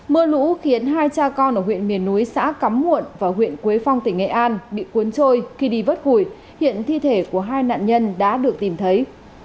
mưa lũ khiến hai cha con ở huyện miền núi xã cắm muộn và huyện quế phong tỉnh nghệ an bị cuốn trôi khi đi vớt hùi hiện thi thể của hai nạn nhân đã được tìm thấy